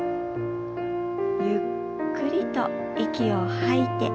ゆっくりと息を吐いて。